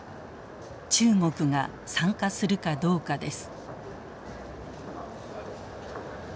中国が参加するかどうかです。